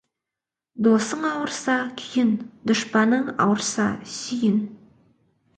Досың ауырса, күйін, дұшпаның ауырса, сүйін.